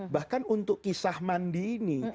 bahkan untuk kisah mandi ini